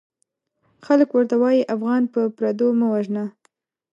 خلک ورته وايي افغانان په پردو مه وژنه!